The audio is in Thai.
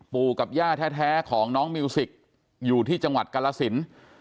ปู่กับย่าแท้ของน้องมิวสิกอยู่ที่จังหวัดกรสิน